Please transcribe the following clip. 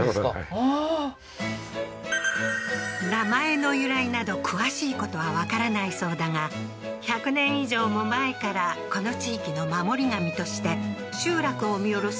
ああー名前の由来など詳しいことはわからないそうだが百年以上も前からこの地域の守り神として集落を見下ろす